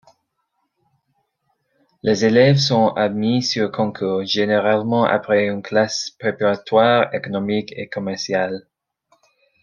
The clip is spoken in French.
Les élèves sont admis sur concours, généralement après une Classes préparatoires économiques et commerciales.